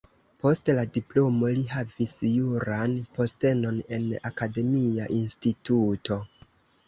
Post la diplomo li havis juran postenon en akademia instituto.